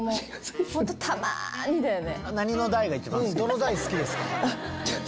たまにだよね。